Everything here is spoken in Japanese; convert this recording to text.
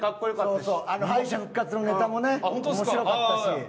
敗者復活のネタも面白かったし。